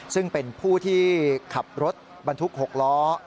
ซึ่งเป็นผู้ที่ขับรถบรรทุก๖ล้อ